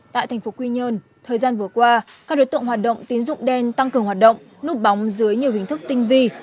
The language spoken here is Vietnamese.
tại thành phố quy nhơn thời gian vừa qua các đối tượng hoạt động tín dụng đen tăng cường hoạt động núp bóng dưới nhiều hình thức tinh vi